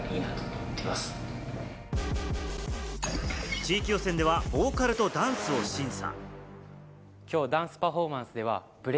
地域予選ではボーカルとダンスを審査。